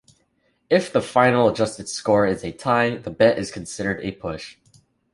If the final adjusted score is a tie, the bet is considered a push.